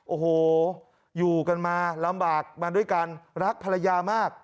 โอ้โหอยู่กันมาลำบากมาด้วยกันรักภรรยามาก